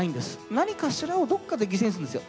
何かしらをどっかで犠牲にするんですよ。